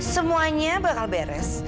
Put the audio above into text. semuanya bakal beres